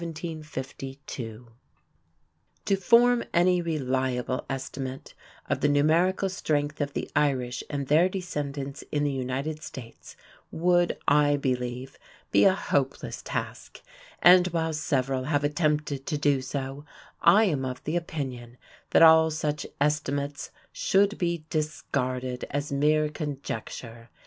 To form any reliable estimate of the numerical strength of the Irish and their descendants in the United States would, I believe, be a hopeless task, and while several have attempted to do so, I am of the opinion that all such estimates should be discarded as mere conjecture.